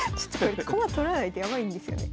駒取らないとヤバいんですよね。